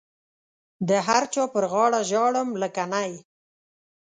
د هر چا پر غاړه ژاړم لکه نی.